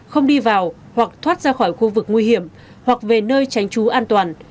không đi vào hoặc thoát ra khỏi khu vực nguy hiểm hoặc về nơi tránh trú an toàn